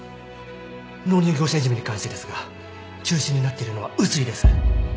納入業者いじめに関してですが中心になっているのは碓井です。